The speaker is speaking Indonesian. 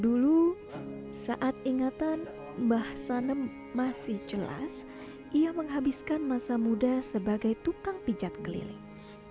dulu saat ingatan mbah sanem masih jelas ia menghabiskan masa muda sebagai tukang pijat keliling